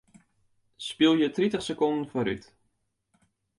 Spylje tritich sekonden foarút.